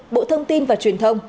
bộ thông tin và truyền thông